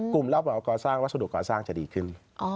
รับเหมาก่อสร้างวัสดุก่อสร้างจะดีขึ้น